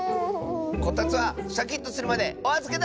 こたつはシャキッとするまでおあずけだ！